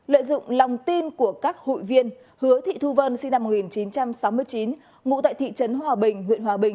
lợi dụng lòng tin của các hội viên hứa thị thu vân sinh năm một nghìn chín trăm sáu mươi chín ngụ tại thị trấn hòa bình huyện hòa bình